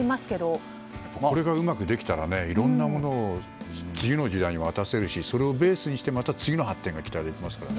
これがうまくできたらいろいろなものを次の時代に渡せるしそれをベースにしてまた次の発展が期待できますね。